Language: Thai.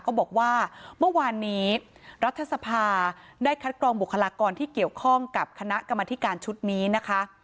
ก็บอกว่าเมื่อวานนี้รัฐสภาได้คัดกรองบุคลากรที่เกี่ยวข้องกับคณะกรรมธิการชุดนี้นะคะ